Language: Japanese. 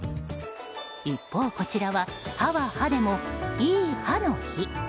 一方、こちらは「は」は「は」でもいい刃の日。